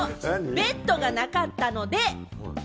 ベッドがなかったので。